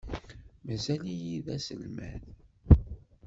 Mazal-iyi d aselmad.